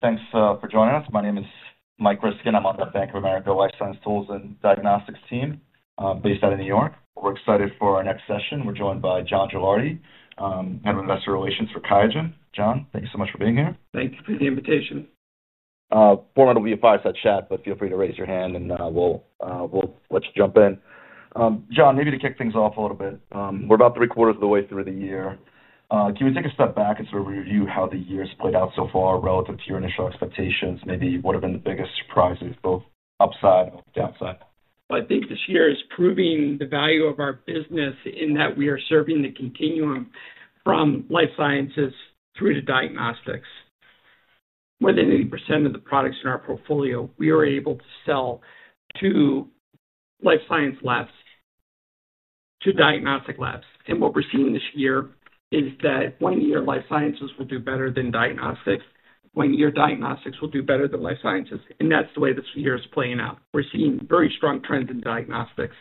Thanks for joining us. My name is Mike Ryskin. I'm on the Bank of America Life Science Tools and Diagnostics team based out of New York. We're excited for our next session. We're joined by John Gialardi, Head of Investor Relations for QIAGEN. John, thank you so much for being here. Thank you for the invitation. Format will be a five set chat, but feel free to raise your hand and we'll let you jump in. John, maybe to kick things off a little bit. We're about three quarters of the way through the year. Can we take a step back and sort of review how the year has played out so far relative to your initial expectations? Maybe what have been the biggest surprises both upside or downside? I think this year is proving the value of our business in that we are serving the continuum from life sciences through to diagnostics. More than 80% of the products in our portfolio, we are able to sell to life science labs to diagnostic labs. And what we're seeing this year is that one year life sciences will do better than diagnostics, one year diagnostics will do better than life sciences. And that's the way this year is playing out. We're seeing very strong trends in diagnostics,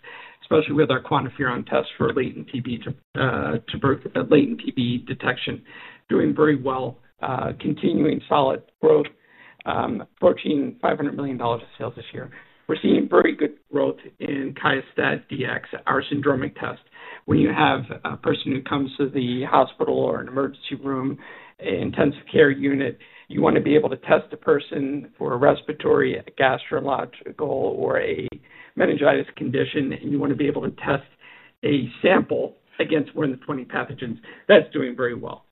especially with our QuantiFERON test for latent TB detection, doing very well, continuing solid growth, approaching $500,000,000 of sales this year. We're seeing very good growth in QIAstat Dx, our syndromic test. When you have a person who comes to the hospital or an emergency room, intensive care unit, you want to be able to test a person for a respiratory, a gastroenterological or a meningitis condition and you want to be able to test a sample against one of 20 pathogens, that's doing very well.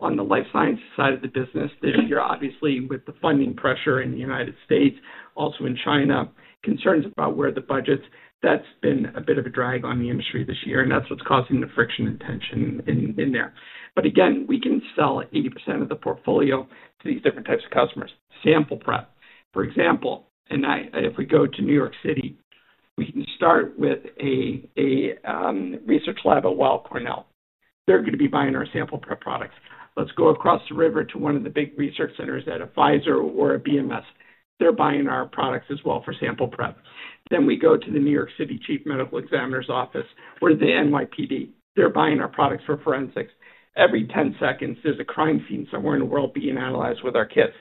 On the life science side of the business, obviously with the funding pressure in The United States, also in China, concerns about where the budgets, that's been a bit of a drag on the industry this year and that's what's causing the friction and tension in there. But again, we can sell 80% of the portfolio to these different types of customers. Sample prep, for example, and if we go to New York City, we can start with a research lab at Weill Cornell. They're going to be buying our sample prep products. Let's go across the river to one of the big research centers at a Pfizer or a BMS. They're buying our products as well for sample prep. Then we go to the New York City Chief Medical Examiner's Office or the NYPD. They're buying our products for forensics. Every 10 there's a crime scene somewhere in the world being analyzed with our kits.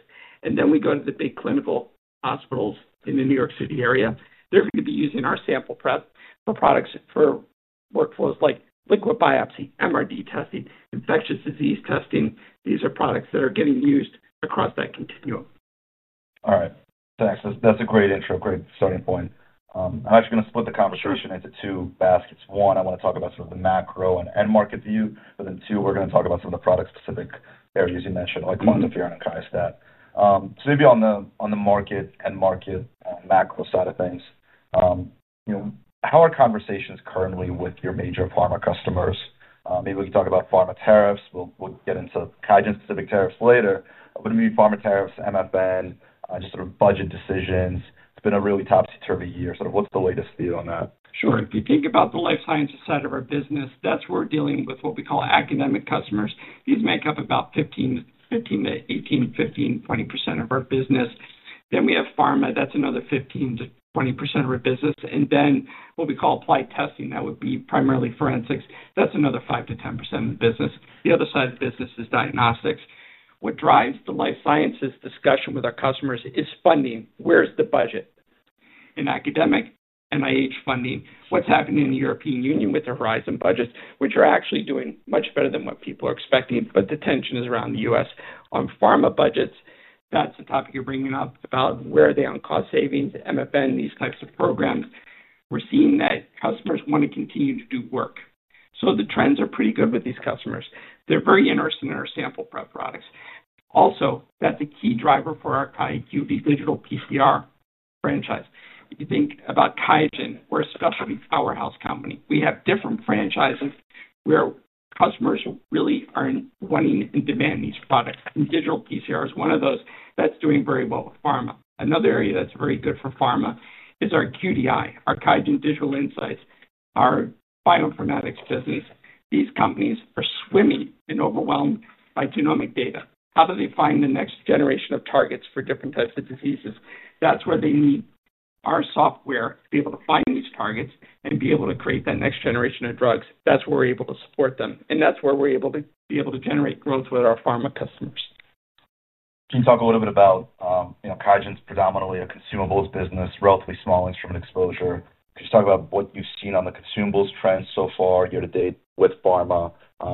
And then we go to the big clinical hospitals in the New York City area. They're going to be using our sample prep for products for workflows like liquid biopsy, MRD testing, infectious disease testing. These are products that are getting used across that continuum. All right. Thanks. That's a great intro, great starting point. I'm actually going to split the conversation One, into two I want to talk about some of the macro and end market view. And then two, we're going to talk about some of the product specific areas you mentioned like QuantiFERON and KRYSTAT. So maybe on the market, end market macro side of things, how are conversations currently with your major pharma customers? Maybe we can talk about pharma tariffs, we'll get into QIAGEN specific tariffs later. But I mean pharma tariffs, MFN, just sort of budget decisions. It's been a really topsy-turvy year. Sort of what's the latest view on that? Sure. If you think about the life sciences side of our business, that's where we're dealing with what we call academic customers. These make up about 15% to 18%, 20% of our business. Then we have pharma, that's another 15% to 20% of our business. And then what we call applied testing, would be primarily forensics, that's another 5% to 10% of the business. The other side of the business is diagnostics. What drives the life sciences discussion with our customers is funding. Where's the budget? In academic, NIH funding, what's happening in the European Union with the Horizon budget, which are actually doing much better than what people are expecting, but the tension is around The U. S. On pharma budgets. That's the topic you're bringing up about where they are on cost savings, MFN, these types of programs. We're seeing that customers want to continue to do work. So the trends are pretty good with these customers. They're very interested in our sample prep products. Also, that's a key driver for our QIAQV digital PCR franchise. If you think about QIAGEN, we're a specialty powerhouse company. We have different franchises where customers really aren't wanting and demanding these products. And digital PCR is one of those that's doing very well with pharma. Another area that's very good for pharma is our QDI, our QIAGEN Digital Insights, our bioinformatics business. These companies are swimming and overwhelmed by genomic data. How do they find the next generation of targets for different types of diseases? That's where they need our software to be able to find these targets and be able to create that next generation of drugs. That's where we're able to support them. And that's where we're able to generate growth with our pharma customers. Can you talk a little bit about QIAGEN is predominantly a consumables business, relatively small instrument exposure. Can you just talk about what you've seen on the consumables trends so far year to date with pharma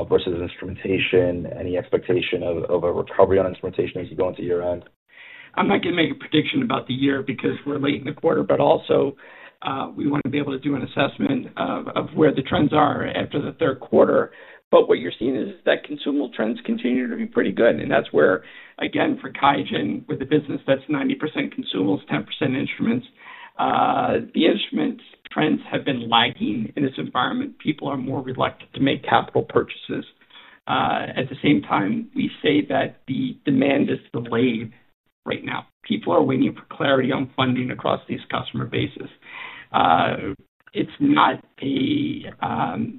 versus instrumentation? Any expectation of a recovery on instrumentation as you go into year end? I'm not going to make a prediction about the year because we're late in the quarter, but also we want to be able to do an assessment of where the trends are after the third quarter. But what you're seeing is that consumable trends continue to be pretty good. And that's where again for QIAGEN with the business that's 90% consumables, 10% instruments, the instruments trends have been lagging in this environment. People are more reluctant to make capital purchases. At the same time, we say that the demand is delayed right now. People are waiting for clarity on funding across these customer bases. It's not a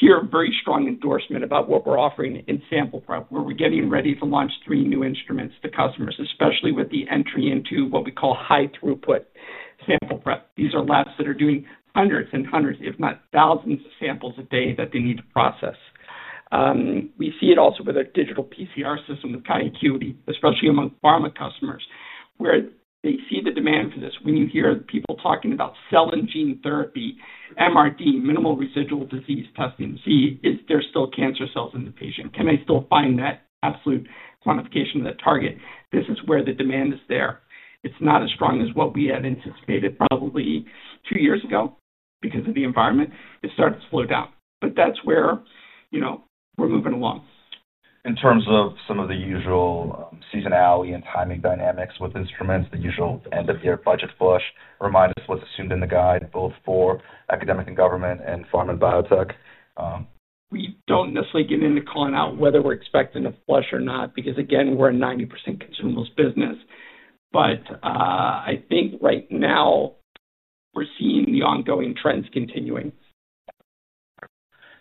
hear very strong endorsement about what we're offering in sample prep where we're getting ready to launch three new instruments to customers, especially with the entry into what we call high throughput sample prep. These are labs that are doing hundreds and hundreds, if not thousands of samples a day that they need to process. We see it also with our digital PCR system with high acuity, especially among pharma customers, where they see the demand for this. When you hear people talking about cell and gene therapy, MRD, minimal residual disease testing, see if there's still cancer cells in the patient. Can I still find that absolute quantification of that target? This is where the demand is there. It's not as strong as what we had anticipated probably two years ago because of the environment, it started to slow down. But that's where we're moving along. In terms of some of the usual seasonality and timing dynamics with instruments, the usual end of year budget flush, remind us what's assumed in the guide both for academic and government and pharma and biotech? We don't necessarily get into calling out whether we're expecting a flush or not because again, we're a 90% consumables business. But I think right now, we're seeing the ongoing trends continuing.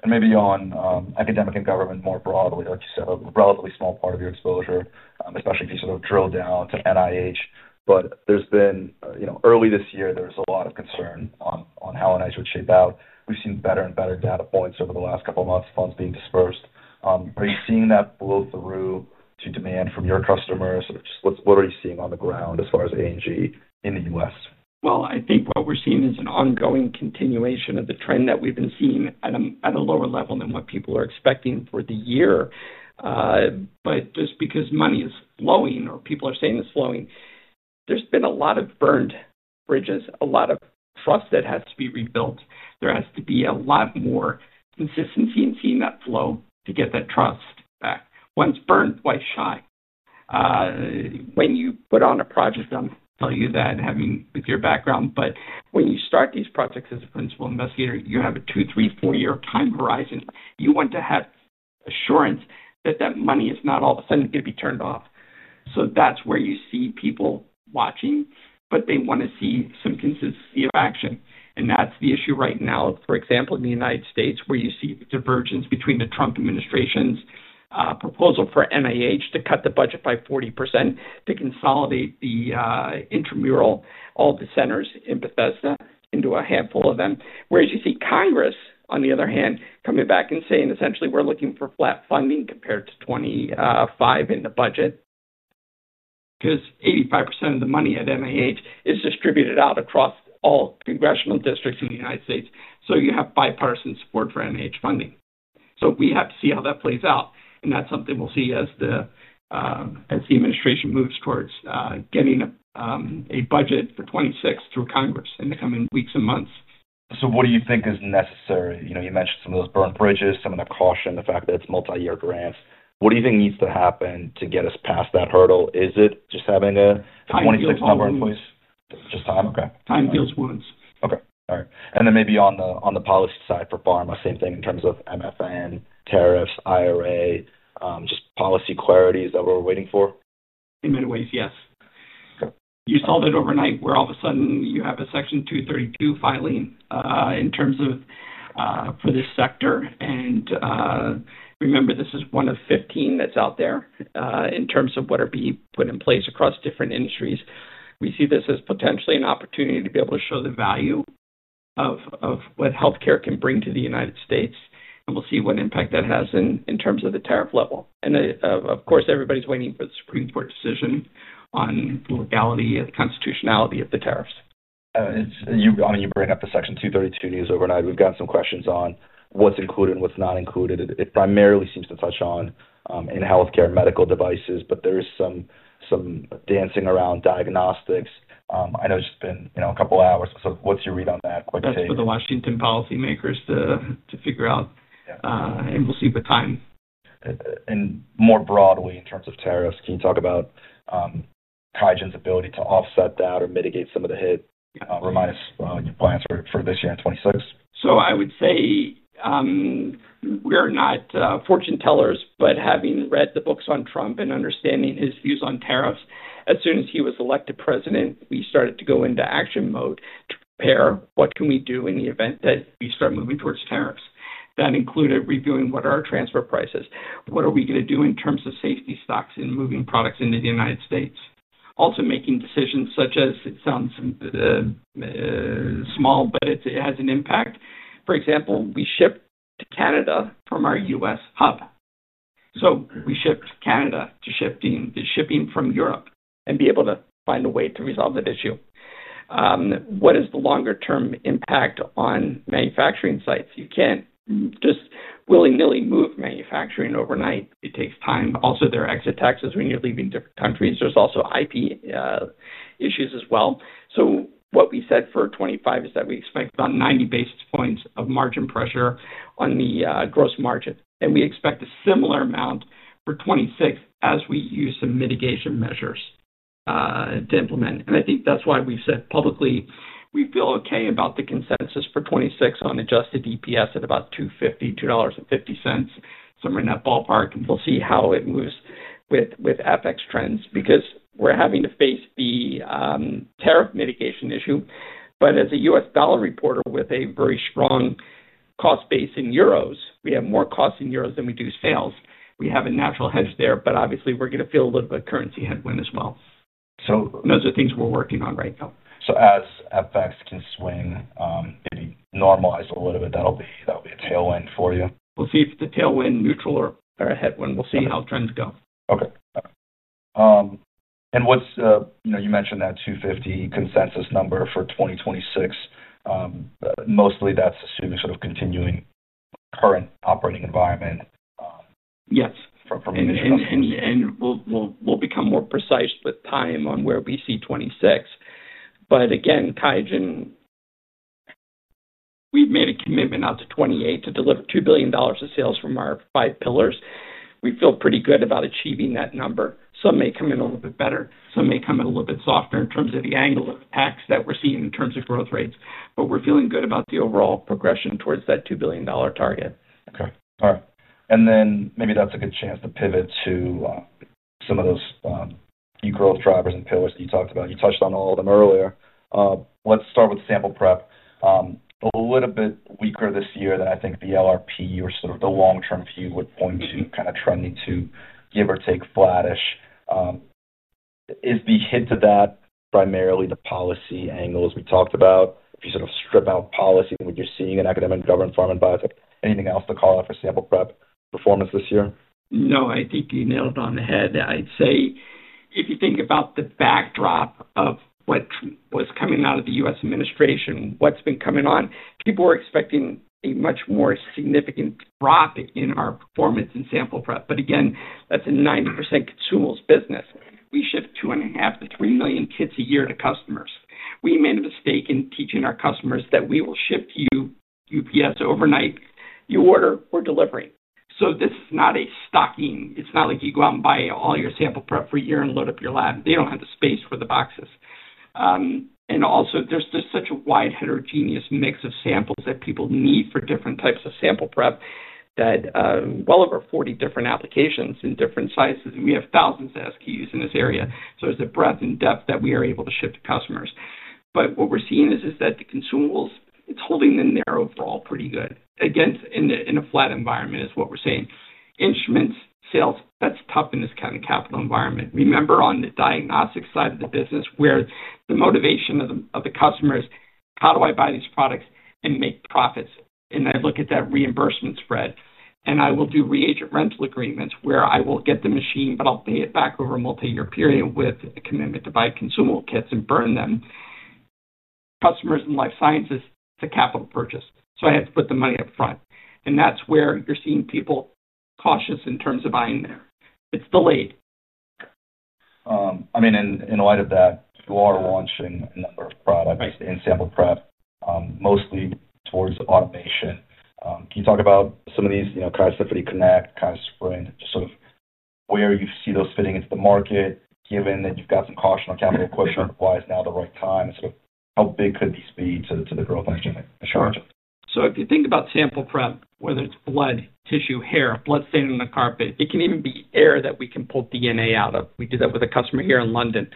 And maybe on academic and government more broadly, like you said, a relatively small part of your exposure, especially if you sort of drill down to NIH. But there's been early this year, there's a lot of concern on how NIH would shape out. We've seen better and better data points over the last couple of months, funds being dispersed. Are you seeing that blow through to demand from your customers? Or just what are you seeing on the ground as far as A and G in The U. S? Well, I think what we're seeing is an ongoing continuation of the trend that we've been seeing at a lower level than what people are expecting for the year. But just because money is flowing or people are saying it's flowing, there's been a lot of burned bridges, a lot of trust that has to be rebuilt. There has to be a lot more consistency in seeing that flow to get that trust back. Once burned, why shy? When you put on a project, I'll tell you that having with your background. But when you start these projects as a principal investigator, you have a two, three, four year time horizon. You want to have assurance that, that money is not all of a sudden going to be turned off. So that's where you see people watching, but they want to see some consistency of action. And that's the issue right now. For example, in The United States where you see divergence between the Trump administration's proposal for NIH to cut the budget by 40% to consolidate the intramural, all the centers in Bethesda into a handful of them. Whereas you see Congress on the other hand coming back and saying essentially we're looking for flat funding compared to 25% in the budget. Because 85% of the money at NIH is distributed out across all congressional districts in The United States. So you have bipartisan support for NIH funding. So we have to see how that plays out and that's something we'll see as the administration moves towards getting a budget for 26 through Congress in the coming weeks and months. So what do you think is necessary? You mentioned some of those burn bridges, some of the caution, the fact that it's multiyear grants. What do you think needs to happen to get us past that hurdle? Is it just having a 20 Just six number in time? Okay. Time deals once. Okay. All right. And then maybe on the policy side for pharma, same thing in terms of MFN, tariffs, IRA, just policy clarity, is that what we're waiting for? In many ways, yes. You solved it overnight where all of a sudden you have a Section two thirty two filing in terms of for this sector. And remember this is one of 15 that's out there in terms of what are being put in place across different industries. We see this as potentially opportunity to be able to show the value of what healthcare can bring to The United States and we'll see what impact that has in terms of the tariff level. And of course everybody is waiting for the Supreme Court decision on the legality of the constitutionality of the tariffs. You bring up the Section two thirty two news overnight. We've got some questions on what's included and what's not included. It primarily seems to touch on in healthcare medical devices, but there is some dancing around diagnostics. I know it's been a couple of hours. So what's your read on that? For the Washington policymakers to figure out and we'll see the time. And more broadly in terms of tariffs, can you talk about TIGEN's ability to offset that or mitigate some of the hit? Remind us your plans for this year in 2026? So I would say, we are not fortune tellers, but having read the books on Trump and understanding his views on tariffs, as soon as he was elected President, we started to go into action mode to prepare what can we do in the event that we start moving towards tariffs. That included reviewing what are our transfer prices, what are we going to do in terms of safety stocks in moving products into The United States. Also making decisions such as it sounds small, but it has an impact. For example, we ship to Canada from our U. S. Hub. So we ship Canada to shipping from Europe and be able to find a way to resolve that issue. What is the longer term impact on manufacturing sites? You can't just willy nilly move manufacturing overnight. It takes time. Also there are exit taxes when you're leaving different countries. There's also IP issues as well. So what we said for 2025 is that we expect about 90 basis points of margin pressure on the gross margin. And we expect a similar amount for 2026 as we use some mitigation measures to implement. And I think that's why we've said publicly, we feel okay about the consensus for '26 on adjusted EPS at about $2.5 somewhere in that ballpark and we'll see how it moves with FX trends because we're having to face the tariff mitigation issue. But as a U. S. Dollar reporter with a very strong cost base in euros, we have more cost in euros than we do sales. We have a natural hedge there, but obviously we're going to feel a little bit a currency headwind as well. Those are things we're working on right now. So as FX can swing, maybe normalize a little bit that will be a tailwind for you? We'll see if it's a tailwind neutral We'll see how trends go. Okay. And what's you mentioned that $250,000,000 consensus number for 2026. Mostly that's assuming sort of continuing current operating environment from Yes. Initial And we'll become more precise with time on where we see 26%. But again, QIAGEN, we've made a commitment out to 28,000,000,000 to deliver $2,000,000,000 of sales from our five pillars. We feel pretty good about achieving that number. Some may come in a little bit better, some may come in a little bit softer in terms of the angle of tax that we're seeing in terms of growth rates. But we're feeling good about the overall progression towards that $2,000,000,000 target. Okay. All right. And then maybe that's a good chance to pivot to some of those key growth drivers and pillars that you talked about. You touched on all of them earlier. Let's start with sample prep. A little bit weaker this year than I think the LRP or sort of the long term view would point to kind of trending to give or take flattish. Is the hint to that primarily the policy angles we talked about sort of strip out policy and what you're seeing in academic government pharma and biotech. Anything else to call out for sample prep performance this year? No, I think you nailed on the head. I'd say, if you think about the backdrop of what was coming out of the U. S. Administration, what's been coming on, people are expecting a much more significant drop in our performance in sample prep. But again, that's a 90% consumables business. We shipped 2,500,000 to 3,000,000 kits a year to customers. We made a mistake in teaching our customers that we will ship to you UPS overnight, you order or delivery. So this is not a stocking. It's not like you go out and buy all your sample prep for year and load up your lab. They don't have the space for the boxes. And also there's such a wide heterogeneous mix of samples that people need for different types of sample prep that well over 40 different applications in different sizes. And we have thousands of SKUs in this area. So it's the breadth and depth that we are able to ship to customers. But what we're seeing is that the consumables, it's holding the narrow for all pretty good against in a flat environment is what we're seeing. Instruments, sales, that's tough in this kind of capital environment. Remember on the diagnostic side of the business where the motivation of the customer is how do I buy these products and make profits. And I look at that reimbursement spread. And I will do reagent rental agreements where I will get the machine, but I'll pay it back over a multiyear period with the commitment to buy consumable kits and burn them. Customers in life sciences, it's a capital purchase. So I had to put the money upfront. And that's where you're seeing people cautious in terms of buying there. It's delayed. I mean, light of that, you are launching a number of products in sample prep, mostly towards automation. Can you talk about some of these kind of Symphony Connect, kind of Sprint, just sort of where you see those fitting into the market given that you've got some caution on capital question, why is now the right time? And sort of how big could the speed to the growth engine? Sure. So if you think about sample prep, whether it's blood, tissue, hair, blood thinning in the carpet, it can even be air that we can pull DNA out of. We did that with a customer here in London.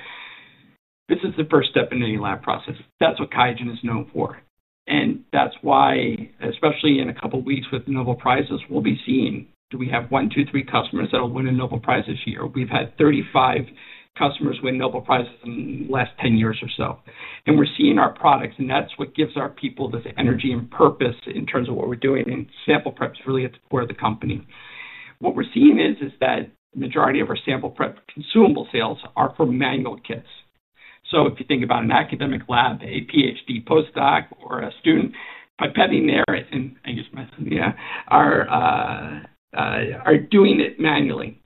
This is the first step in any lab process. That's what QIAGEN is known for. And that's why especially in a couple of weeks with Nobel Prizes, we'll be seeing. Do we have one, two, three customers that will win a Nobel Prize this year? We've had 35 customers win Nobel Prize in the last ten years or so. And we're seeing our products and that's what gives our people this energy and purpose in terms of what we're doing and sample prep is really for the company. What we're seeing is that majority of our sample prep consumable sales are for manual kits. So if you think about an academic lab, a PhD postdoc or a student, pipetting there and I just mentioned, yes, are doing it manually.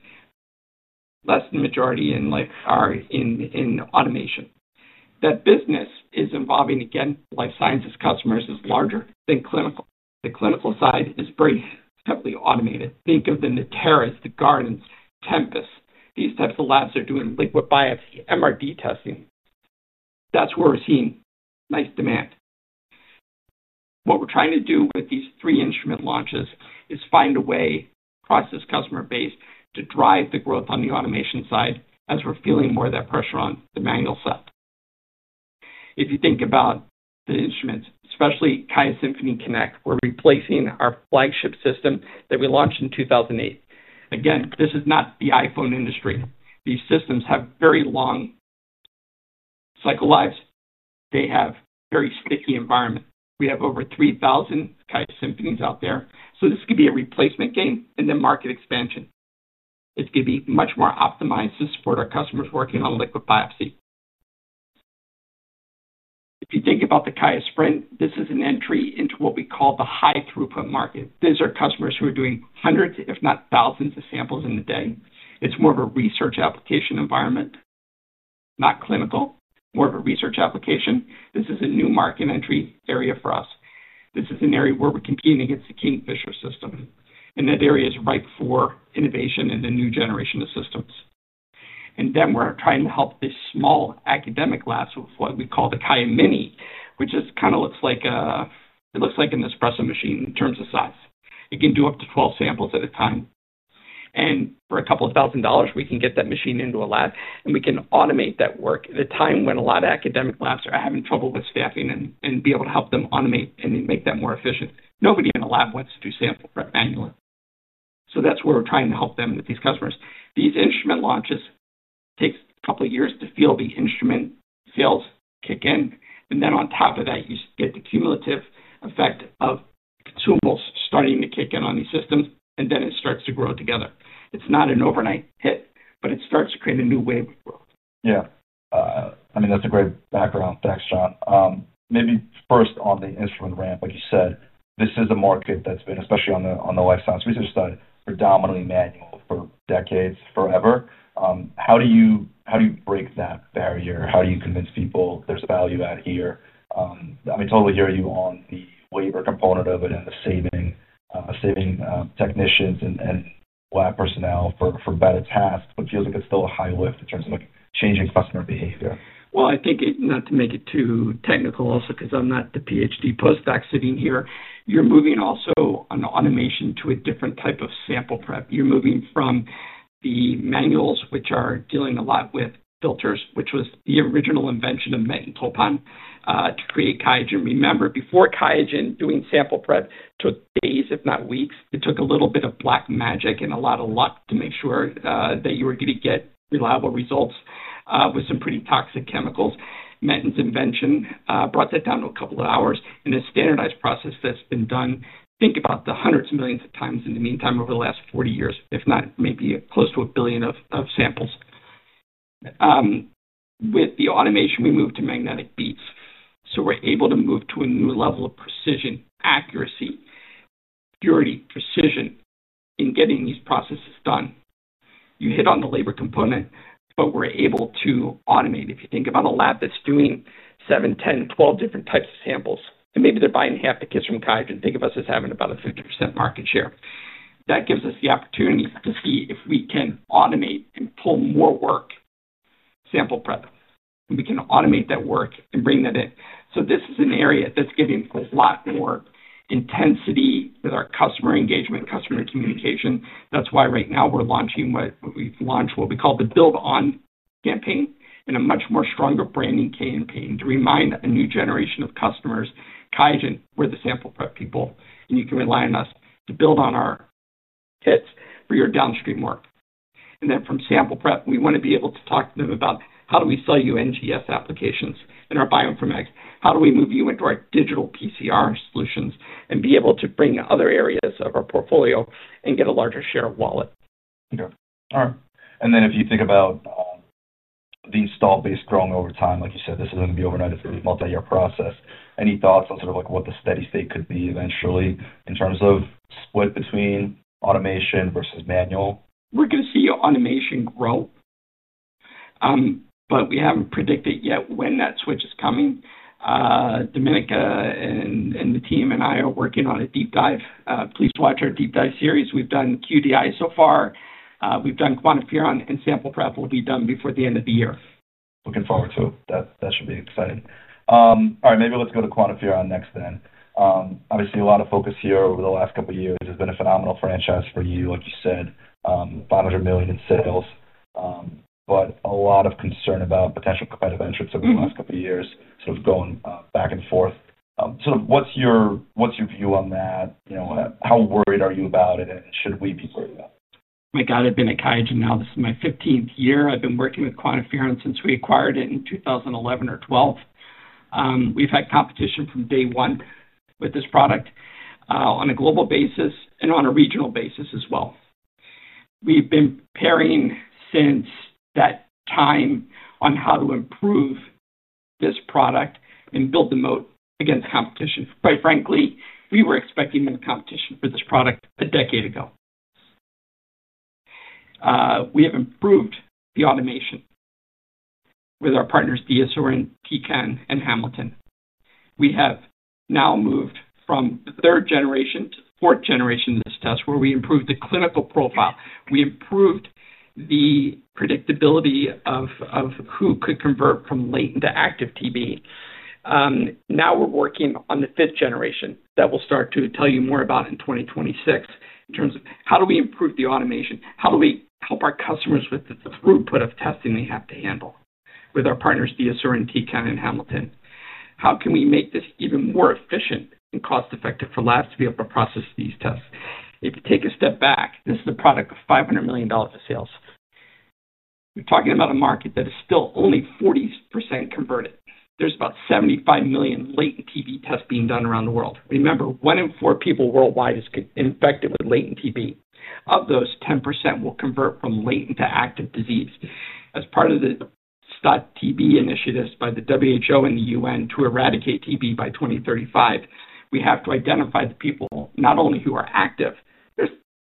That's the majority in life are in automation. That business is involving again life sciences customers is larger than clinical. The clinical side is very simply automated. Think of the Natara, the Gardens, Tempus, these types of labs are doing liquid biopsy, MRD testing. That's where we're seeing nice demand. What we're trying to do with these three instrument launches is find a way process customer base to drive the growth on the automation side as we're feeling more of that pressure on the manual set. If you think about the instruments, especially QIAsymphony Connect, we're replacing our flagship system that we launched in 02/2008. Again, this is not the iPhone industry. These systems have very long cycle lives. They have very sticky environment. We have over 3,000 QIAsymptoms out there. So this could be a replacement gain in the market expansion. It could be much more optimized to support our customers working on liquid biopsy. If you think about the QIA Sprint, this is an entry into what we call the high throughput market. These are customers who are doing hundreds, if not thousands of samples in a day. It's more of a research application environment, not clinical, more of a research application. This is a new market entry area for us. This is an area where we're competing against the Kingfisher system. And that area is ripe for innovation in the new generation of systems. And then we're trying to help this small academic labs with what we call the QIA Mini, which is kind of looks like it looks like an espresso machine in terms of size. It can do up to 12 samples at a time. And for a couple of thousand dollars, we can get that machine into a lab and we can automate that work at a time when a lot of academic labs are having trouble with staffing and be able to help them automate and make them more efficient. Nobody in the lab wants to do sample prep manually. So that's where we're trying to help them with these customers. These instrument launches take a couple of years to feel the instrument sales kick in. And then on top of that, you get the cumulative effect of consumables starting to kick in on these systems and then it starts to grow together. It's not an overnight hit, but it starts to create a new wave of growth. Yes. I mean that's a great background. Thanks, John. Maybe first on the instrument ramp, like you said, this is a market that's been especially on the life science research side predominantly manual for decades forever. How do you break that barrier? How do you convince people there's value out here? I mean, totally hear you on the labor component of it and the saving technicians and lab personnel for better tasks, but feels like it's still a high lift in terms of like changing customer behavior. Well, I think not to make it too technical also because I'm not the PhD postdoc sitting here. You're moving also on automation to a different type of sample prep. You're moving from the manuals, are dealing a lot with filters, which was the original invention of Topon to create QIAGEN. Remember before QIAGEN doing sample prep took days if not weeks, it took a little bit of black magic and a lot of luck to make sure that you were going to get reliable results with some pretty toxic chemicals. Menten's invention brought that down to a couple of hours. And the standardized process that's been done, think about the hundreds of millions of times in the meantime over the last forty years, if not maybe close to 1,000,000,000 of samples. With the automation, moved to magnetic beats. So we're able to move to a new level of precision, accuracy, purity, precision in getting these processes done. You hit on the labor component, but we're able to automate. If you think about a lab that's doing seven, ten, 12 different types of samples, and maybe they're buying half the kits from QIAGEN, think of us as having about a 50% market share. That gives us the opportunity to see if we can automate and pull more work sample prep. We can automate that work and bring that in. So this is an area that's getting a lot more intensity with our customer engagement, customer communication. That's why right now we're launching what we've launched what we call the build on campaign and a much more stronger branding campaign to remind a new generation of customers, QIAGEN, we're the sample prep people, and you can rely on us to build on our kits for your downstream work. And then from sample prep, we want to be able to talk to them about how do we sell you NGS applications in our bioinformatics, How do we move you into our digital PCR solutions and be able to bring other areas of our portfolio and get a larger share of wallet? Okay. All right. And then if you think about the installed base growing over time, like you said, this is going to be overnight, it's a multiyear process. Any thoughts on sort of like what the steady state could be eventually in terms of split between automation versus manual? We're going to see automation grow, but we haven't predicted yet when that switch is coming. Dominica and the team and I are working on a deep dive. Please watch our deep dive series. We've done QDI so far. We've done QuantiFERON and sample prep will be done before the end of the year. Looking forward to it. That should be exciting. All right. Maybe let's go to QuantiFERON next then. Obviously, a lot of focus here over the last couple of years. It's been a phenomenal franchise for you, like you said, dollars 500,000,000 in sales, but a lot of concern about potential competitive entrants over the last couple of years sort of going back and forth. Sort of what's your view on that? How worried are you about it? And should we be worried about it? My god, I've been at QIAGEN now. This is my fifteenth year. I've been working with QuantiFERENCE since we acquired it in 2011 or 2012. We've had competition from day one with this product on a global basis and on a regional basis as well. We've been pairing since that time on how to improve this product and build the moat against competition. Quite frankly, we were expecting competition for this product a decade ago. We have improved the automation with our partners, DiaSorin, Kecan and Hamilton. We have now moved from third generation to fourth generation in this test where we improved the clinical profile. We improved the predictability of who could convert from latent to active TB. Now we're working on the fifth generation that we'll start to tell you more about in 2026 in terms of how do we improve the automation, how do we help our customers with the throughput of testing they have to handle with our partners, Deusor and TeakCan and Hamilton. How can we make this even more efficient and cost effective for labs to be able to process these tests? If you take a step back, this is a product of $500,000,000 of sales. We're talking about a market that is still only 40% converted. There's about 75,000,000 latent TB tests being done around the world. Remember, one in four people worldwide is infected with latent TB. Of those ten percent will convert from latent to active disease. As part of the STOT TB initiatives by the WHO and the UN to eradicate TB by 02/1935, we have to identify the people not only who are active, there's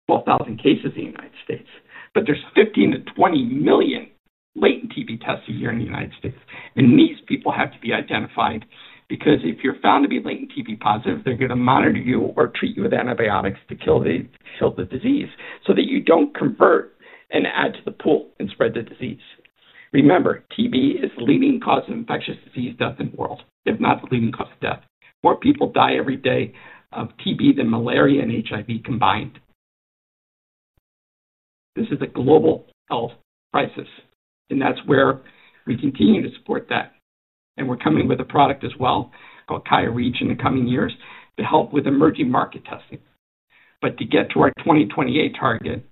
twelve thousand cases in The United States. But there's fifteen million to twenty million latent TB tests a year in The United States. And these people have to be identified because if you're found to be latent TB positive, they're going to monitor you or treat you with antibiotics to disease, kill so that you don't convert and add to the pool and spread the disease. Remember, TB is leading cause of infectious disease death in the world, if not the leading cause of death. More people die every day of TB than malaria and HIV combined. This is a global health crisis and that's where we continue to support that. And we're coming with a product as well called QIA REACH in the coming years to help with emerging market testing. But to get to our 2028 target,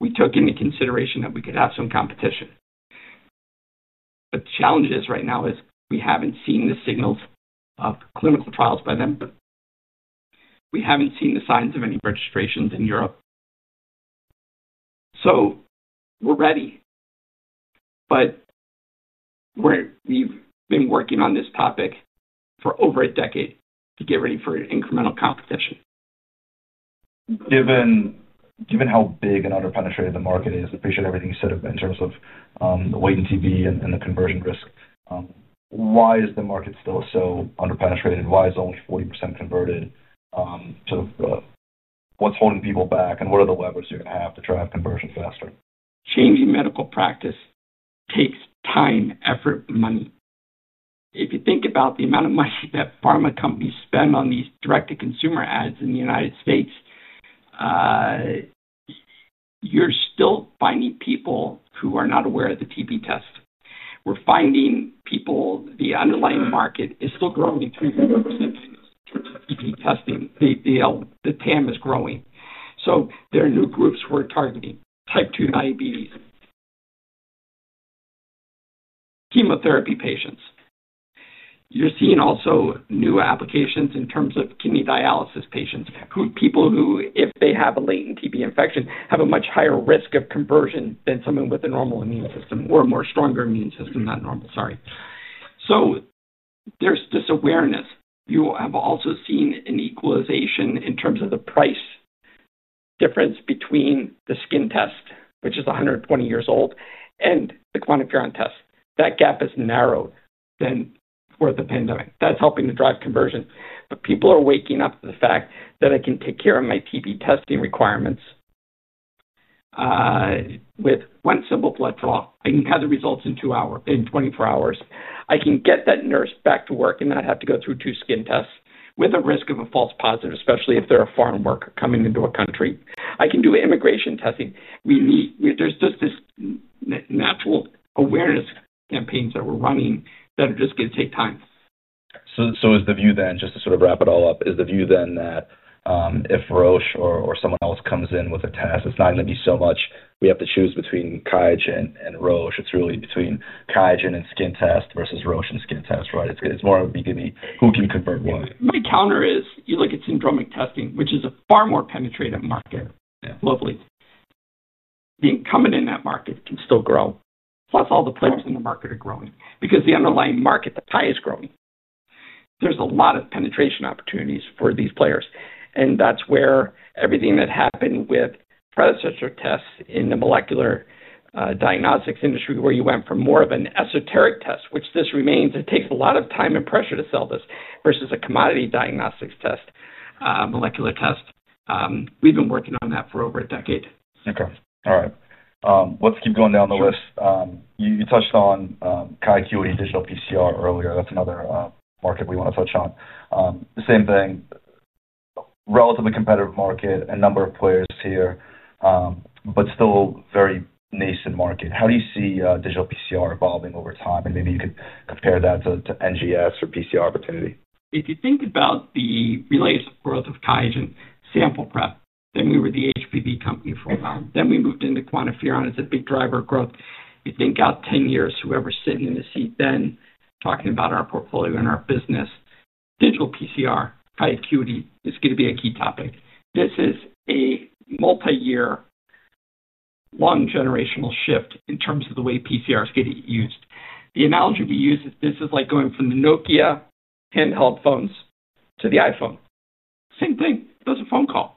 we took into consideration that we could have some competition. The challenges right now is we haven't seen the signals of clinical trials by them. We haven't seen the signs of any registrations in Europe. So we're ready, but we've been working on this topic for over a decade to get ready for incremental competition. Given how big and under penetrated the market is, appreciate everything you said in terms of wait and TV and the conversion risk. Why is the market still so underpenetrated? Why is it only 40% converted? So what's holding people back? And what are the levers you're going have to drive conversion faster? Changing medical practice takes time, effort and money. If you think about the amount of money that pharma companies spend on these direct to consumer ads in The United States, you're still finding people who are not aware of the TB test. We're finding people the underlying market is still growing 300% in terms of TB testing. The TAM is growing. So there are new groups we're targeting, type two diabetes, chemotherapy patients. You're seeing also new applications in terms of kidney dialysis patients, who people who if they have a latent TB infection have a much higher risk of conversion than someone with a normal immune system or a more stronger immune system than normal, sorry. So there's this awareness. You have also seen an equalization in terms of the price difference between the skin test, which is 120 years old and the QuantiFERON test. That gap is narrowed than for the pandemic. That's helping to drive conversion. But people are waking up to the fact that I can take care of my TB testing requirements with one simple blood draw. I can have the results in twenty four hours. I can get that nurse back to work and not have to go through two skin tests with a risk of a false positive, especially if they're a foreign worker coming into a country. I can do immigration testing. There's just this natural awareness campaigns that we're running that are just going to take time. So is the view then just to sort of wrap it all up, is the view then that if Roche or someone else comes in with a test, it's not going to be so much we have to choose between QIAGEN and Roche. It's really between QIAGEN and skin test versus Roche and skin test, right? It's more of a beginning, who can convert what? My counter is look at syndromic testing, which is a far more penetrated market globally. The incumbent in that market can still grow plus all the players in the market are growing because the underlying market, the pie is growing. There's a lot of penetration opportunities for these players. And that's where everything that happened with predecessor tests in the molecular diagnostics industry where you went from more of an esoteric test, which this remains, it takes a lot of time and pressure to sell this versus a commodity diagnostics test, molecular test. We've been working on that for over a decade. Okay. All right. Let's keep going down the You touched on QIAQA digital PCR earlier. That's another market we want to touch on. The same thing relatively competitive market, a number of players here, but still very nascent market. How do you see digital PCR evolving over time? And maybe you could compare that to NGS or PCR opportunity? If you think about the related growth of QIAGEN sample prep, then we were the HPV company for a while. Then we moved into QuantiFERON as a big driver of growth. You think out ten years, whoever is sitting in the seat then talking about our portfolio and our business, digital PCR, high acuity is going to be a key topic. This is a multiyear, long generational shift in terms of the way PCR is getting used. The analogy we use is this is like going from the Nokia handheld phones to the iPhone. Same thing, it does a phone call.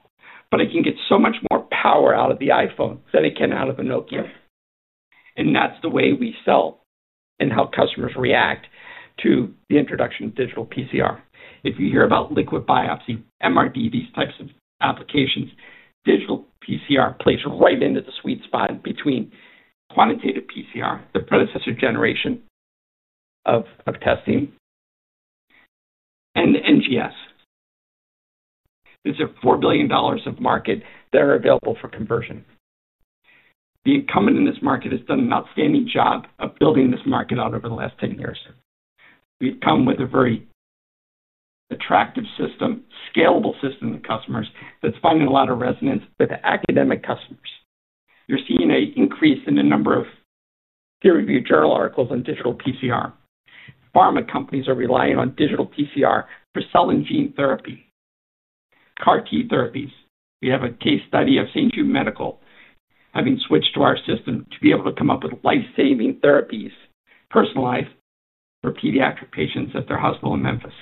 But it can get so much more power out of the iPhone than it can out of the Nokia. And that's the way we sell and how customers react to the introduction of digital PCR. If you hear about liquid biopsy, MRD, these types of applications, digital PCR plays right into the sweet spot between quantitative PCR, the predecessor generation of testing and NGS. It's a $4,000,000,000 of market that are available for conversion. The incumbent in this market has done an outstanding job of building this market out over the last ten years. We've come with a very attractive system, scalable system to customers that's finding a lot of resonance with academic customers. You're seeing an increase in the number of peer reviewed journal articles on digital PCR. Pharma companies are relying on digital PCR for cell and gene therapy, CAR T therapies. We have a case study of St. Jude Medical having switched to our system to be able to come up with life saving therapies, personalized for pediatric patients at their hospital in Memphis.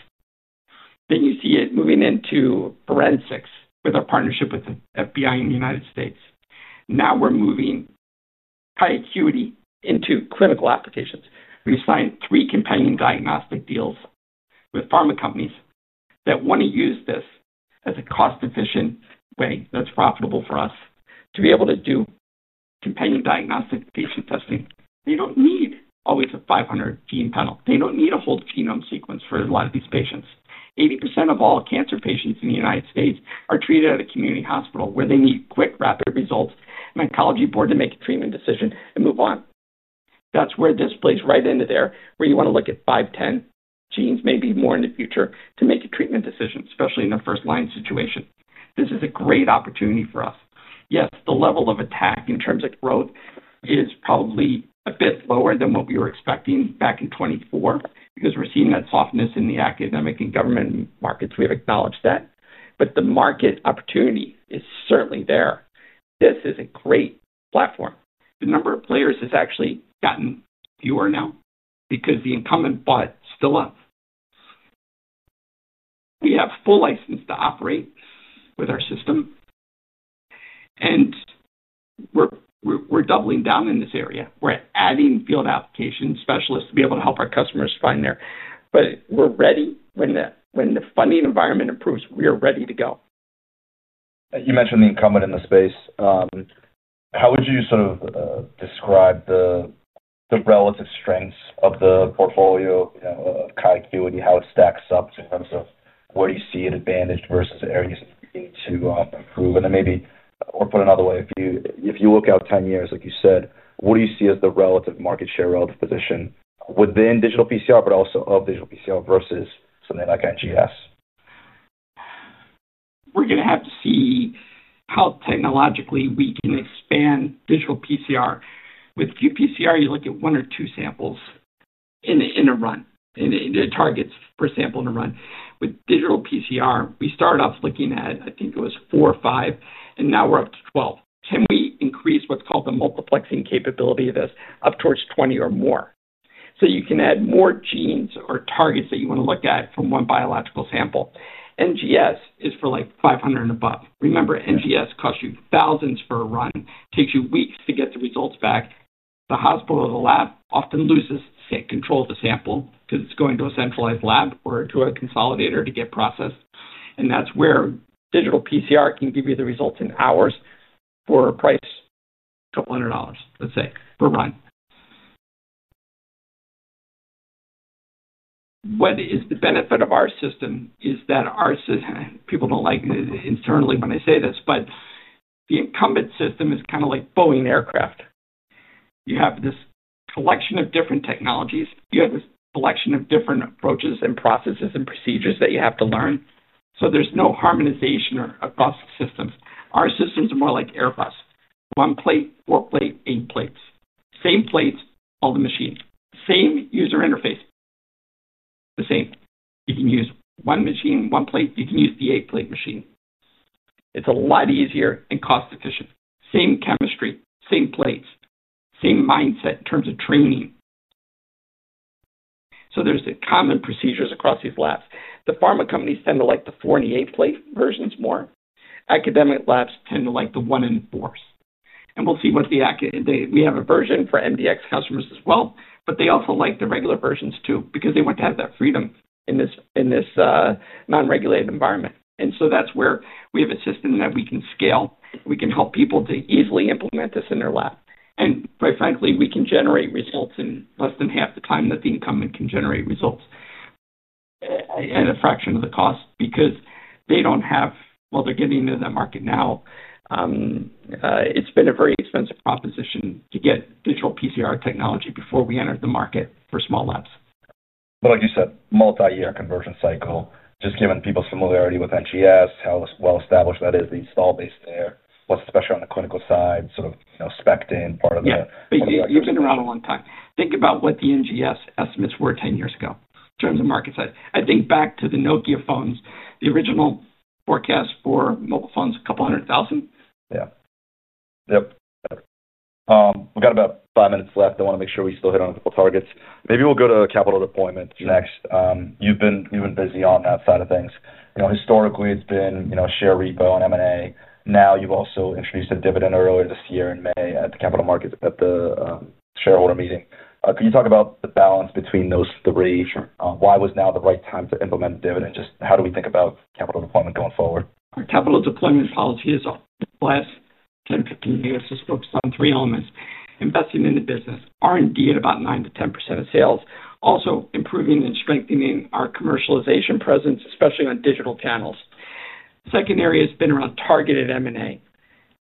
Then you see it moving into forensics with our partnership with the FBI in The United States. Now we're moving high acuity into clinical applications. We signed three companion diagnostic deals with pharma companies that want to use this as a cost efficient way that's profitable for us to be able to do companion diagnostic patient testing. They don't need always a 500 gene panel. They don't need a whole genome sequence for a lot of these patients. Eighty percent of all cancer patients in The United States are treated at a community hospital where they need quick rapid results, an oncology board to make a treatment decision and move on. That's where this plays right into there, where you want to look at five, ten genes maybe more in the future to make a treatment decision, especially in the first line situation. This is a great opportunity for us. Yes, the level of attack in terms of growth is probably a bit lower than what we were expecting back in 'twenty four because we're seeing that softness in the academic and government markets. Have acknowledged that. But the market opportunity is certainly there. This is a great platform. The number of players has actually gotten fewer now because the incumbent bought still up. We have full license to operate with our system. And we're doubling down in this area. We're adding field application specialists to be able to help our customers find there. But we're ready when the funding environment improves, are ready to go. You mentioned the incumbent in the space. How would you sort of describe the relative strengths of the portfolio kind of how it stacks up in terms of where you see an advantage versus areas you need to improve? And then maybe or put another way, if you look out ten years, like you said, what do you see as the relative market share relative position within digital PCR, but also of digital PCR versus something like NGS? We're going to have to see how technologically we can expand digital PCR. With qPCR, you look at one or two samples in a run in targets per sample in a run. With digital PCR, we started off looking at, I think it was four or five, and now we're up to 12. Can we increase what's called the multiplexing capability of this up towards 20 or more? So you can add more genes or targets that you want to look at from one biological sample. NGS is for like 500 and above. Remember NGS cost you thousands for a run, takes you weeks to get the results back. The hospital or the lab often loses control of the sample because it's going to a centralized lab or to a consolidator to get processed. And that's where digital PCR can give you the results in hours for a price couple of $100, let's say, per run. What is the benefit of our system is that our system people don't like it internally when I say this, but the incumbent system is kind of like Boeing aircraft. You have this collection of different technologies. You have this collection of different approaches and processes and procedures that you have to learn. So there's no harmonization across systems. Our systems are more like Airbus, one plate, four plate, eight plates. Same plates, all the machines. Same user interface, same. You can use one machine, one plate, you can use the eight plate machine. It's a lot easier and cost efficient. Same chemistry, same plates, same mindset in terms of training. So there's a common procedures across these labs. The pharma companies tend to like the four and the eight plate versions more. Academic labs tend to like the one in force. And we'll see what the we have a version for MDx customers as well, but they also like the regular versions too, because they want to have that freedom in this non regulated environment. And so that's where we have a system that we can scale. We can help people to easily implement this in their lab. And quite frankly, we can generate results in less than half the time that the incumbent can generate results at a fraction of the cost because they don't have while they're getting into the market now, it's been a very expensive proposition to get digital PCR technology before we enter the market for small labs. But like you said, multiyear conversion cycle, just given people's familiarity with NGS, how well established that is the installed base there, what's special on the clinical side, sort of specked in part of You've been around a long time. Think about what the NGS estimates were ten years ago in terms of market size. I think back to the Nokia phones, the original forecast for mobile phones a couple of 100,000. Yes. We've got about five minutes left. I want make sure we still hit on the targets. Maybe we'll go to capital deployment next. You've been busy on that side of things. Historically, it's been share repo and M and A. Now you've also introduced a dividend earlier this year in May at the Capital Markets at the Shareholder Meeting. Can you talk about the balance between those three? Sure. Why was now the right time to implement dividend? Just how do we think about capital deployment going forward? Our capital deployment policy is last ten, fifteen years is focused on three elements: investing in the business R and D at about 9% to 10% of sales also improving and strengthening our commercialization presence, especially on digital channels. Second area has been around targeted M and A,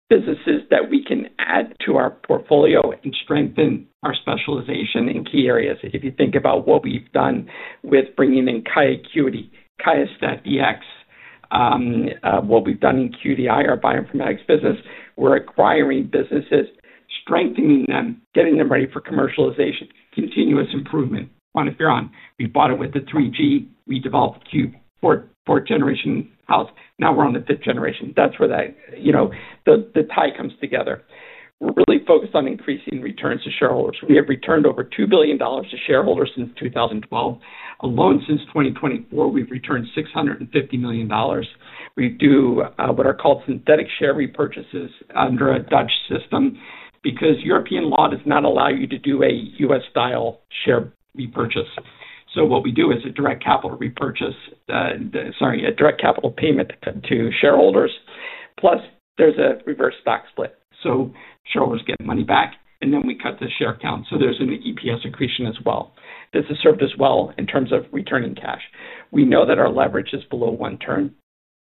businesses that we can add to our portfolio and strengthen our specialization in key areas. If think about what we've done with bringing in QIAcuity, QIAstat Dx, what we've done in QDI, our bioinformatics business, we're acquiring businesses, strengthening them, getting them ready for commercialization, continuous improvement. On IFERON, we bought it with the three gs, we developed Q4 generation house, now we're on the fifth generation. That's where the tie comes together. We're really focused on increasing returns to shareholders. We have returned over $2,000,000,000 to shareholders since 2012. Alone since 2024, we've returned $650,000,000 We do what are called synthetic share repurchases under a Dutch system because European law does not allow you to do a U. S. Style share repurchase. So what we do is a direct capital repurchase sorry, a direct capital payment to shareholders plus there's a reverse stock split. So shareholders get money back and then we cut the share count. So there's an EPS accretion as well. This has served us well in terms of returning cash. We know that our leverage is below one turn.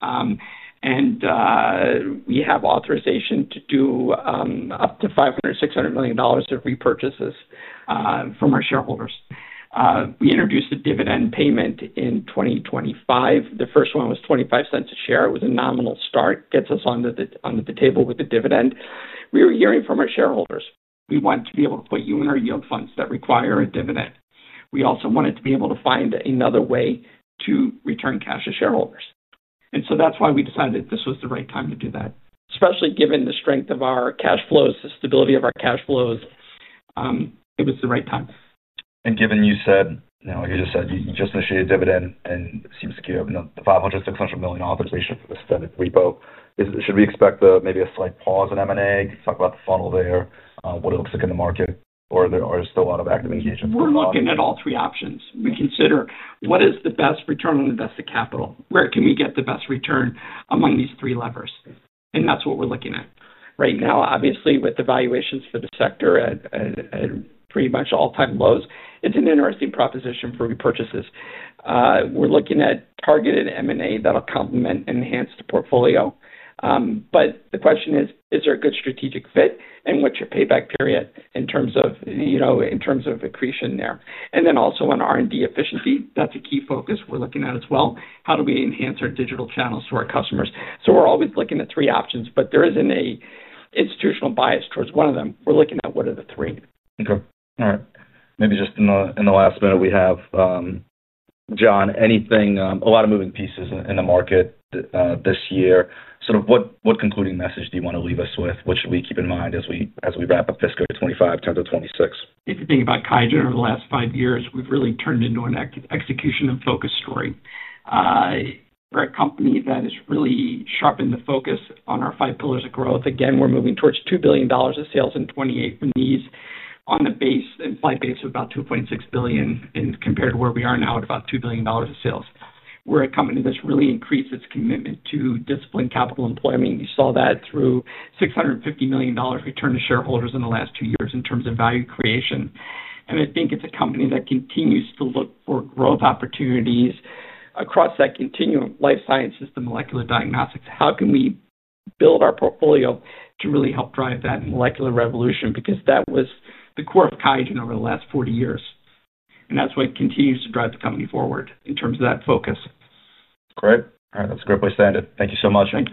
And we have authorization to do up to 500,000,600 million dollars of repurchases from our shareholders. We introduced a dividend payment in 2025. The first one was $0.25 a share. It was a nominal start, gets us on the table with the dividend. We are hearing from our shareholders. We want to be able to put you in our yield funds that require a dividend. We also wanted to be able to find another way to return cash to shareholders. And so that's why we decided this was the right time to do that, especially given the strength of our cash flows, the stability of our cash flows, it was the right time. And given you said you just said you just issued dividend and it seems like you have the $500 $600,000,000 authorization for the standard repo. Should we expect maybe a slight pause in M and A? Can you talk about the funnel there? What it looks like in the market? Or are still a lot of active engagement? We're looking at all three options. We consider what is the best return on invested capital, where can we get the best return among these three levers. And that's what we're looking at. Right now, obviously, with the valuations for the sector at pretty much all time lows, it's an interesting proposition for repurchases. We're looking at targeted M and A that will complement and enhance the portfolio. But the question is, is there a good strategic fit? And what's your payback period in terms of accretion there? And then also on R and D efficiency, that's a key focus we're looking at as well. How do we enhance our digital channels to our customers? So we're always looking at three options, but there isn't an institutional bias towards one of them. We're looking at what are the three. Okay. All right. Maybe just in the last minute we have, John, anything a lot of moving pieces in the market this year. Sort of what concluding message do you want to leave us with? What should we keep in mind as we wrap up fiscal year 2025, October 2026? If you think about QIAGEN over the last five years, we've really turned into an execution and focus story. We're a company that has really sharpened the focus on our five pillars of growth. Again, we're moving towards $2,000,000,000 of sales in 2018 on the base implied base of about $2,600,000,000 compared to where we are now at about $2,000,000,000 of sales. We're a company that's really increased its commitment to disciplined capital employment. You saw that through $650,000,000 return to shareholders in the last two years in terms of value creation. And I think it's a company that continues to look for growth opportunities across that continuum life sciences, the molecular diagnostics. How can we build our portfolio to really help drive that molecular revolution because that was the core of QIAGEN over the last forty years. And that's why it continues to drive the company forward in terms of that focus. Great. All right. That's great. I'll send it. Thank you so much. Thank